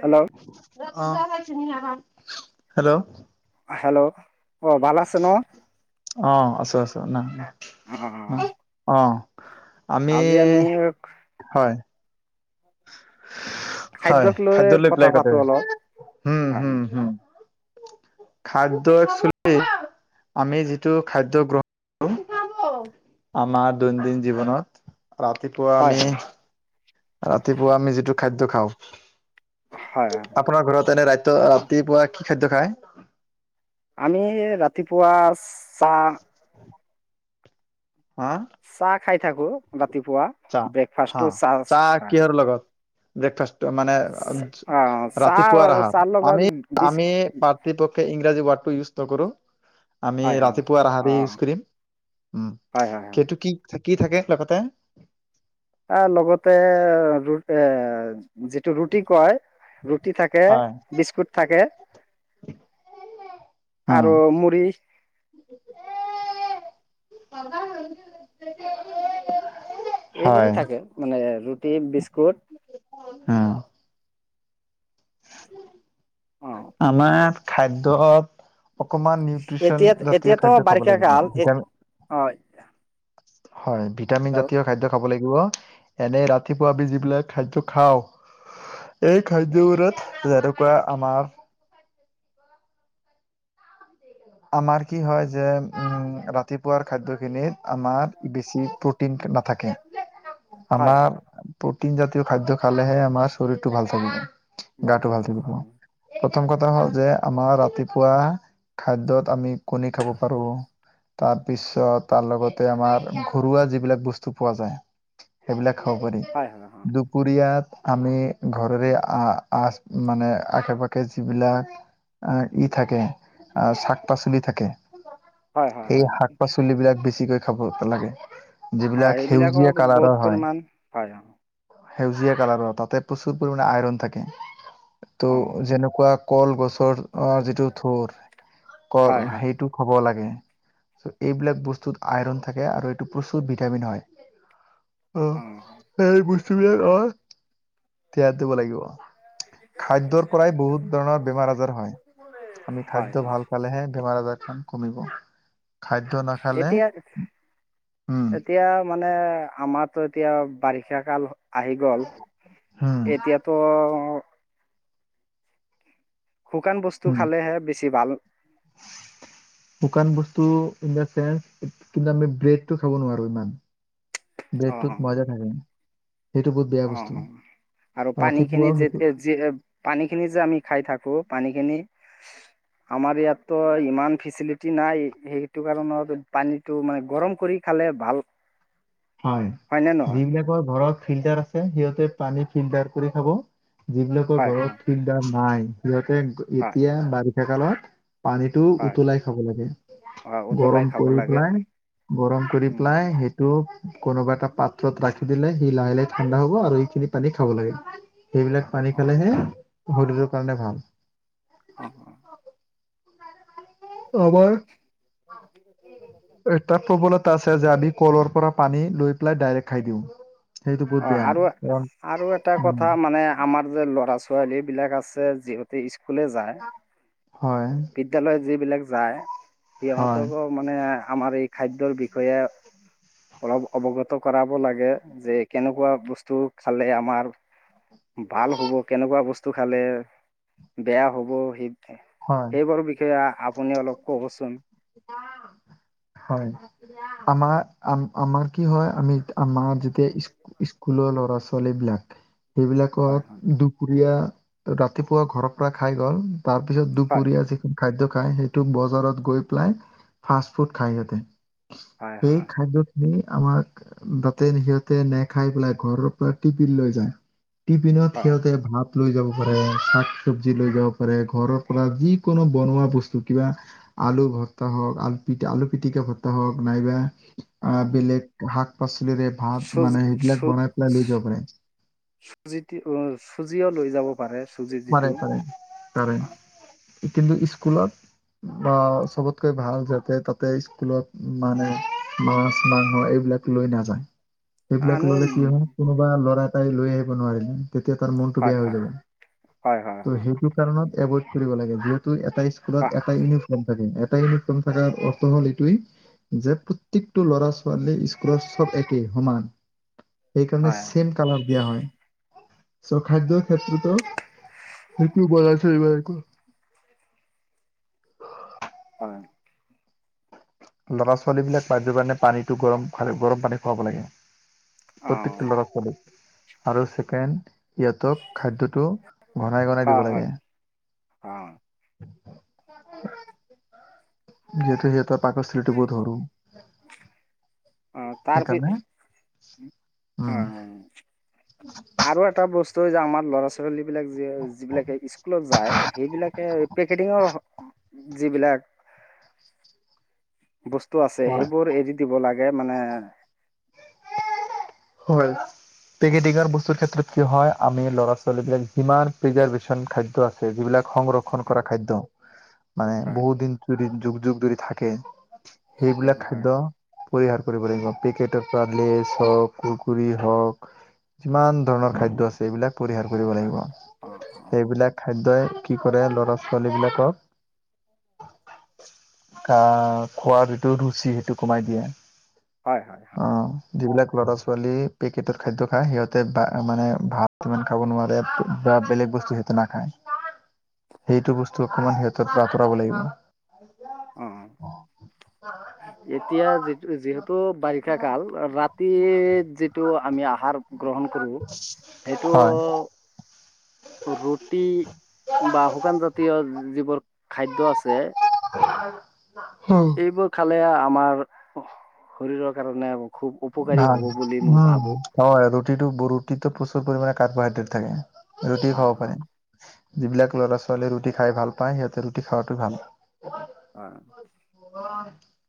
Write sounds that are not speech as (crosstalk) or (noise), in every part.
Hello! Hello! Hello! অ ভাল আছে ন অ' আছো আছো, নাই অ নাই। অ' আমি হয়। হয় খাদ্যক লৈ খাদ্যলৈ কথা প্লাই কটে পাতো অলপ হম হম হম। খাদ্য একচুৱেলি আমি যিটো খাদ্য গ্ৰহণ কৰো। আমাৰ দৈনন্দিন জীৱনত ৰাতিপুৱা হয় আমি হয় ৰাতিপুৱা আমি যিটো খাদ্য খাওঁ। হয় হয় আপোনাৰ ঘৰত এনে ৰা ৰাতিপুৱা কি খাদ্য খায়? আমি ৰাতিপুৱা চাহ। (unintelligible) হা? চাহ খাই থাকো ৰাতিপুৱা, চাহ ব্ৰেকফাষ্টটো চাহ হয়। (unintelligible) লগত। ব্ৰেকফাষ্টটো মানে অ চাহ ৰাতিপুৱাৰ আহাৰ চাহ লগত আমি বিচ আমি প্ৰতিপক্ষে ইংৰাজী ৱৰ্ডটো ইউজ নকৰো। আমি হয় হয় ৰাতিপুৱা আহাৰ অ ই ইউজ কৰিম, উম হয় হয় হয় সেইটো কি কি থাকে লগতে আহ, লগতে ৰু এ যিটো ৰুটি কয়। ৰুটি থাকে, হয় বিস্কুট থাকে অ আৰু মুড়ি। হয় এইবোৰেই থাকে মানে ৰুটি, বিস্কুট। হম। অ আমাৰ খাদ্যত। অকমান নিউট্ৰিচন এতিয়া জাতীয় এতিয়াতো খাদ্য খাব বাৰিষা লাগিব কাল আমি। এ ভিটামি হয় হয়, ভিটামিন হেল্ল' জাতীয় খাদ্য খাব লাগিব, এনেই ৰাতিপুৱা আমি যিবিলাক খাদ্য খাওঁ। এই খাদ্যবোৰত যেনেকুৱা আমাৰ আমাৰ কি হয়, যে উম ৰা ৰাতিপুৱাৰ খাদ্যখিনিত আমাৰ বেছি প্ৰটিন নাথাকে। হয় আমাৰ হয় প্ৰটিন জাতীয় খাদ্য খালেহে আমাৰ শৰীৰটো ভাল থাকিব। গাটো ভাল থাকে থাকিব হয় প্ৰথম কথা হ'ল যে আমাৰ ৰাতিপুৱা খাদ্যত আমি কণী খাব পাৰোঁ। তাৰপিছত তাৰ লগতে আমাৰ ঘৰুৱা যিবিলাক বস্তু পোৱা যায়। সেইবিলাক খাব পাৰি। হয়। দুপৰীয়াত আমি ঘৰেৰে আ আচ মানে আশে পাশে যিবিলাক আহ ই থাকে আহ শাক পাচলি থাকে। হয় হয় সেই হয় শাক পাচলি বিলাক বেছিকৈ খাব লাগে। হয় যিবিলাক সেউজীয়া এইবিলাকত বহুত কালাৰৰ হয়। পৰিমাণ হয় অ সেউজীয়া কালাৰৰ তাতে প্ৰচুৰ পৰিমাণে আইৰন থাকে ত' অ যেনেকোৱা কলগছৰ যিটো থোৰ হয় কল হয় সেইটো খাব লাগে। এইবিলাক বস্তুত আইৰন থাকে আৰু এইটো প্ৰচুৰ ভিটামিন হয়। অ সেই বস্তুবিলাক নহয় তিয়াই থব লাগিব। খাদ্যৰ পৰাই বহুত ধৰণৰ বেমাৰ (unintelligible) হয় হয়। ফালেহে বেমাৰ আজাৰখন কমিব। খাদ্য নাখালে এতিয়া উম, এতিয়া মানে আমাৰটো এতিয়া বাৰিষা কাল আহি গল হুম, এতিয়া তো শুকান বস্তু হুম। খালেহে বেছি ভাল। (unintelligible) শুকান বস্তু ইন দা চেন্স কিন্তু আমি ব্ৰেডটো খাব নোৱাৰো ইমান। অ অ ব্লেডটোত ময়দা থাকে। সেইটো বহুত বেয়া অ বস্তু অ আৰু পানী খিনি ৰাতিপুৱা সেইটো যেতিয়া যি সেই পানীখিনি যে আমি খাই থাকো পানীখিনি (unintelligible) আমাৰ ইয়াততো ইমান ফেচিলিটি নাই সেইটো কাৰণত পানীটো মানে গৰম কৰি খালে ভাল। (unintelligible) হয় হয়নে নহয় যিবিলাকৰ ঘৰত ফিল্টাৰ আছে সিহঁতে পানী ফিল্টাৰ কৰি খাব। যিবিলাকৰ হয় হয় ঘৰত ফিল্টাৰ নাই সিহঁতে হয় এতিয়া বাৰিষা কালত পানীত টো হয় উতলাই খাব লাগে হয় উতলাই গৰম খাব কৰি লাগে অঁ পেলাই গৰম কৰি পেলাই টো কোনোবা এটা পাত্ৰত ৰাখি দিলে সি লাহে লাহে ঠাণ্ডা হ'ব আৰু এইখিনি পানী খাব লাগে। সেইবিলাক পানী খালেহে শৰীৰৰ কাৰণে ভাল। অ আমাৰ এ তাত প্ৰবলতা আছে যে আমি কলৰ পৰা পানী লৈ পেলাই ডাইৰেক্ট খাই দিওঁ সেইটো বহুত অ বেয়া আৰু কাৰণ আৰু এটা উম কথা মানে। আমাৰ যে ল'ৰা ছোৱালী বিলাক আছে যিহতি স্কুলে যায়। হয় বিদ্যালয়ত যিবিলাক যায় হয় সিহঁতকো মানে আমাৰ এই খাদ্যয়ৰ বিষয়ে অলপ অৱগত কৰাব লাগে যে কেনেকুৱা বস্তু খালে আমাৰ ভাল হ'ব কেনেকোৱা বস্তু খালে বেয়া হ'ব সেইটোৱে হয় সেইবোৰৰ বিষয়ে আপুনি অলপ ক'বচোন। হয়। আমাৰ আমাৰ কি হয় আমি আমাৰ যেতিয়া স্কুল স্কুলৰ ল'ৰা ছোৱালী বিলাক সেইবিলাকক হয় দুপুৰীয়া ৰাতিপুৱা ঘৰৰ পৰা খাই গ'ল। তাৰ পিছত হয় দুপৰীয়া যিখন খাদ্য খায়, সেইটো বজাৰত গৈ পেলাই ফাষ্ট ফুড খাই সিঁহতে, হয় সেই হয় হয় খাদ্যত আমি আমাক তাতে সিহঁতে নেখাই পেলাই ঘৰৰ পৰা টিফিন লৈ যায়। টিফিনত হয় সিহঁতে ভাত লৈ যাব পাৰে, শাক চব্জি লৈ যাব পাৰে, ঘৰৰ পৰা যিকোনো বনোৱা বস্তু কিবা আলু ঘৰ হওক, আলু পিটি আলু পিটিকা ভতা হওক, নাইবা অ বেলেগ শাক পাচলিৰে ভাত চুজি মানে সেইবিলাক বনাই পেলাই লৈ যাব পাৰে। যিতি উম চুজিও লৈ যাব পাৰে চুজিত। পাৰে পাৰে পাৰে, কিন্তু স্কুলত অঁ চবতকৈ ভাল যাতে তাতে স্কুলত মানে মাছ মাংস এইবিলাক লৈ নাযায়। সেইবিলাক আমি ললে কি হয়, কোনোবা ল'ৰা এটাই লৈ আহিব নোৱাৰিলে তেতিয়া তাৰ মনতটো হয় বেয়া হৈ হয় যাব। হয় হয় ত' হয় সেইটো কাৰণত এভইড কৰিব লাগে, যিহেতু এটাই হয় স্কুলত এটা ইউ নিফ্ৰম থাকে, এটা ইউনিফ্ৰম থকা অৰ্থ হ'ল এইটোৱে যে প্ৰত্যয়েকটো ল'ৰা ছোৱালী স্কুলৰ চব একেই সমান। সেইকাৰণে হয় চেম কালাৰ দিয়া হয়, চ খাদ্যৰ ক্ষেত্ৰতো (inaudible) হয়। ল'ৰা ছোৱালী বিলাক খাদ্যৰ কাৰণে পানীটো গৰম গৰম পানী খুৱাব লাগে। অ প্ৰত্যেকটো ল'ৰা ছোৱালীক, আৰু ছেকেণ্ড ইহঁতক খাদ্যটো ঘনাই ঘনাই দিব লাগে। অঁ। যিহেতু সিহঁত পাকস্থলীটো বহুত সৰু। অ তাৰপি সেইকাৰণে অ উম। আৰু এটা বস্তু যে আমাৰ ল'ৰা ছো ছোৱালী বিলাক যিবিলাকে স্কুলত যায় সেইবিলাকে পেকেটিংৰ যিবিলাক বস্তু আছে, হয় সেইবোৰ এৰি দিব লাগে মানে। হয়। পেকেটিঙ বস্তুৰ ক্ষেত্ৰত কি হয়, আমি ল'ৰা ছোৱালীবিলাক যিমান প্ৰিজাৰ্ভেশ্যন খাদ্য আ ছে সেইবিলাক সংৰক্ষণ হয় কৰা খাদ্য, মানে হয় বহু দিন যৰি যুগ যুগ যদি থাকে। তাকে সেইবিলাক হয় খাদ্য পৰিহাৰ কৰিব লাগিব, পেকেটৰ পৰা লৈ চব কুুৰকুৰি হওক যিমান ধৰণৰ খাদ্য আছে, এইবিলাক পৰিহাৰ কৰিব হয় অঁ লাগিব। অঁ সেইবিলাক খাদ্যই কি কৰে, ল'ৰা ছোৱালী বিলাকক কা খোৱা যিটো ৰুচি সেইটো কমাই দিয়ে। হয় হয় হয়। অঁ যিবিলাক ল'ৰা ছো ৱালী পেকেটত খাদ্য খায় সিহঁতে বা মানে ভাত ইমান খাব নোৱাৰে বা বেলেগ বস্তু সিহঁতে নাখায়। সেইটো বস্তু অকমান সিহঁতৰ পৰা আঁতৰাব লাগিব। অঁ অঁ। (inaudible) এতিয়া যিটো যিহেতু বাৰিষা কাল ৰাতি যিটো আমি আহাৰ। গ্ৰহণ কৰোঁ সেইটো। হয় ৰুটি বা শুকান জাতীয় যিবোৰ খাদ্য আছে। হুম। সেইবোৰ খালে আমাৰ শৰীৰৰ কাৰণে। খুব উপকাৰী ভাল হ'ব বুলি উম মই ভাবোঁ। হয় ৰুটিটো ৰুটিটোত প্ৰচুৰ পৰিমাণে কাৰ্বহাইড্ৰেট থাকে ৰুটি হয় খাব পাৰে। হয় যিবিলাক ল'ৰা-ছোৱালী ৰুটি খাই ভাল পায় সিহঁতে ৰুটি খাৱাটো ভাল। (inaudible) (inaudible)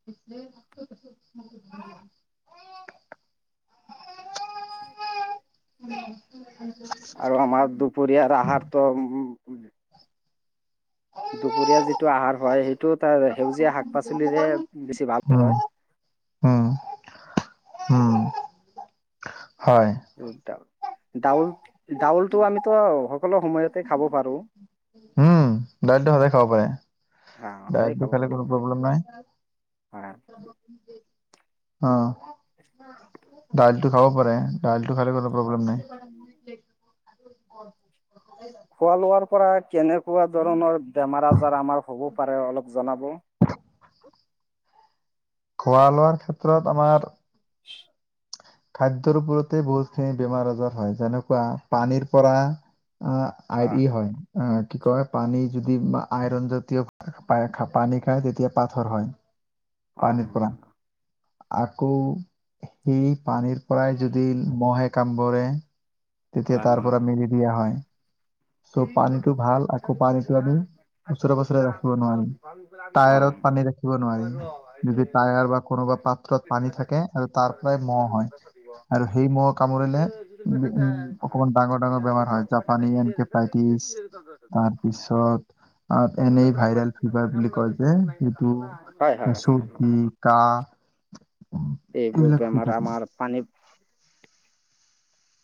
(inaudible) (inaudible) আৰু আমাৰ দুপৰীয়াৰ আহাৰটো উ, উ-উম। দুপৰীয়া যিটো আহাৰ হয় সেইটো তাৰ সেউজীয়া শাক পাচলিৰেহে বেছি ভাল। হয় উম। উম। উম হয় ডাউল ডাউলটো আমিতো আৰু সকলো সময়তে খাব পাৰোঁ। উম দাইলটো সদায় খাব পাৰে হা সদায় দাইলটো খালে কোনো প্ৰব্লেম নাই। কৰা। অ'। দাইলটো খাব পাৰে দাইলটো খালে কোনো প্ৰব্লেম নাই। খোৱা লোৱাৰ পৰা কেনেকুৱা ধৰণৰ বেমাৰ আজাৰ আমাৰ হ'ব পাৰে অলপ জনাব। খোৱা লোৱাৰ ক্ষেত্ৰত আমাৰ। (inaudible) খাদ্যৰ ওপৰতে বহুতখিনি বেমাৰ আজাৰ হয়, যেনেকুৱা পানীৰ পৰা। অ আইৰি হয়। অ কি কয়, পানী যদি আইৰন জাতীয় পানী খায় তেতিয়া পাথৰ হয়। হয় হয় পানীৰ পৰা। হয় আকৌ সেই পানীৰ পৰাই যদি ম'হে কামোৰে। তেতিয়া হয় হয় তাৰ পৰা মেলেৰিয়া হয়। ত' পানীটো ভাল আকৌ পানীটো আমি ওচৰে পাছৰে ৰাখিব নোৱাৰিম। টায়াৰত পানী ৰাখিব নোৱাৰি যদি টায়াৰ বা কোনোবা পাত্ৰত পানী থাকে। আৰু তাৰ পৰাই ম'হ হয় আৰু সেই ম'হ কামুৰিলে। (unintelligible) অকমান ডাঙৰ, ডাঙৰ বেমাৰ হয় জাপানী এনকেপাইটিছ তাৰপিছত। আ এনেই ভাইৰেল ফিভাৰ বুলি কয় যে সেইটো হয় হয় চৰ্দি। কাঁহ। এইবোৰ বেমাৰ আমাৰ পানীত।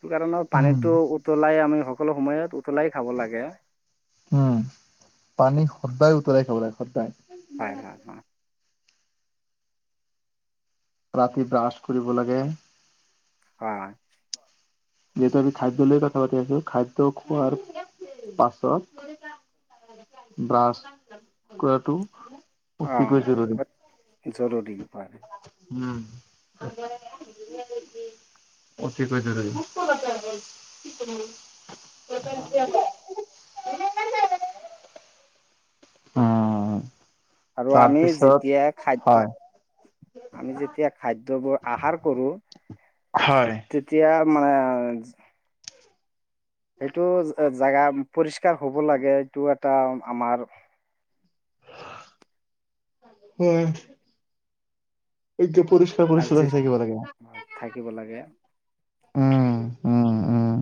সেইটো কাৰণত উম পানীতো উতলাই আমি সকলো সময়ত উতলাই খাব লাগে। উম পানী সদায় উতলাই খাব লাগে সদায়। হয়, হয়, হয়। ৰাতি ব্ৰাছ কৰিব লাগে। হয়। যিহেতু আমি খাদ্য লৈ কথা পাতি আছোঁ খাদ্য খোৱাৰ পাত্ৰ। ব্ৰাছ কৰাটো। অ, অতিকৈ জৰুৰী বাত জৰুৰী হয়। উম, অতিকৈ জৰুৰী। (unintelligible) উম। আৰু আমি তাৰপিছত যেতিয়াই খাদ্য হয় আমি যেতিয়া খাদ্যবোৰ আহাৰ কৰো হয়। তেতিয়া মানে সেইটো জাগা পৰিষ্কাৰ হ'ব লাগে, এইটো এটা আমাৰ হয়। এইটো আৰ্জি পৰিষ্কাৰ-পৰিচ্ছন্নতা থাকিব লাগে। উম, থাকিব লাগে উম। উম,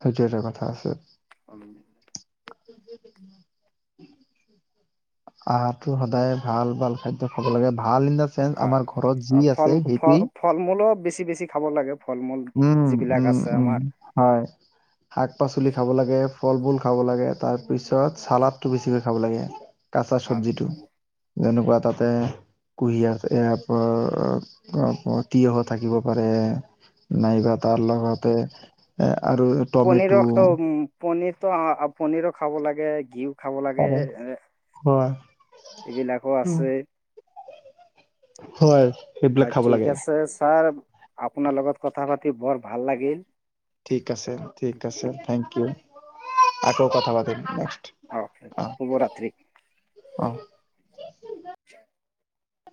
সেইটো এটা কথা আছে। (inaudible) (inaudible) আহাৰটো সদায় ভাল-ভাল খাদ্য খাব লাগে, ভাল (unintelligible) (unintelligible) আমাৰ ঘৰত যি আছে সেইটোৱেই ফল-মূলো বেছি-বেছি খাব লাগে, ফল-মূল উম, যিবিলাক আছে আমাৰ। হয়। শাক-পাচলি খাব লাগে, ফল-মূল খাব লাগে, তাৰপিছত চালাডটো বেছিকৈ খাব লাগে। কাঁচা চব্জিটো, যেনেকুৱা তাতে কুঁহিয়াৰ, ইয়াৰ পৰা তিয়ঁহ থাকিব পাৰে নাইবা তাৰ লগতে এ, আৰু টমেটো পনিৰতো, পনিৰো খাব লাগে, ঘিউ খাব লাগে, পাৰে এ হয়। এইবিলাকো আছে। হয় অ, সেইবিলাক খাব ঠিক লাগে আছে ছাৰ। আপোনাৰ লগত কথা পাতি বৰ ভাল লাগিল। ঠিক আছে, ঠিক আছে, থেংক ইউ। আকৌ কথা পাতিম নেক্সট। অ, শুভৰাত্ৰি। অ। (inaudible)